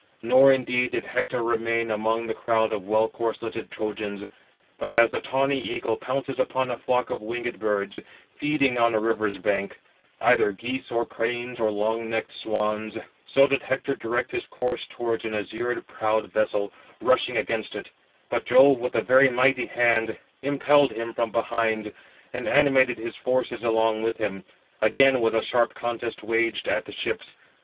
Nor, indeed, did Hector remain among the crowd of well corsleted Trojans; but as the tawny eagle pounces upon a flock of winged birds, feeding on a river's bank, either geese or cranes, or long necked swans, so did Hector direct his course towards an azure prowed vessel, rushing against it; but Jove, with a very mighty hand, impelled him from behind, and animated his forces along with him. Again was a sharp contest waged at the ships.